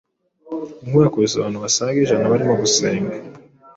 inkuba yakubise abantu basaga ijana barimo gusenga,